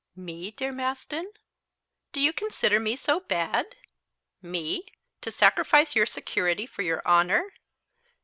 "Me, dear Maston! Do you consider me so bad? Me! To sacrifice your security for your honor.